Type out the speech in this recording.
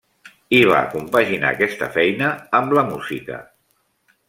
I va compaginar aquesta feina amb la música.